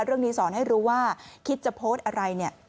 เรื่องนี้สอนให้รู้ว่าคิดจะโพสต์อะไรเนี่ย